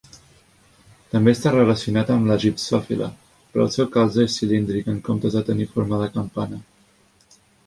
També està relacionat amb la "gipsòfila", però el seu calze és cilíndric en comptes de tenir forma de campana.